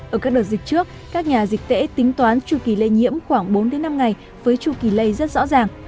ở các đợt dịch trước các nhà dịch tễ tính toán chu kỳ lây nhiễm khoảng bốn năm ngày với chu kỳ lây rất rõ ràng